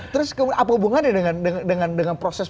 terus apa hubungannya dengan proses